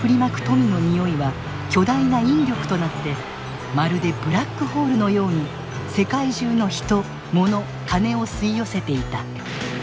富のにおいは巨大な引力となってまるでブラックホールのように世界中のヒト・モノ・カネを吸い寄せていた。